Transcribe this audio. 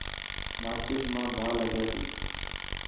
ماچس مان باهه لگي تي.